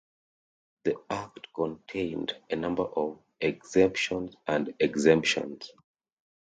The Act contained a number of exceptions and exemptions.